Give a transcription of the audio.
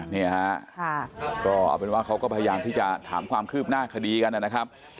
นี่ฮะก็เอาเป็นว่าเขาก็พยายามที่จะถามความคืบหน้าคดีกันนะครับ